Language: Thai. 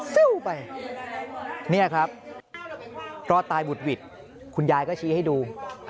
สู้ไปเนี่ยครับรอดตายบุดหวิดคุณยายก็ชี้ให้ดู